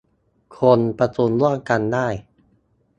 คนประชุมร่วมกันได้